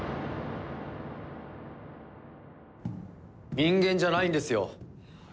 人間じゃないんですよ。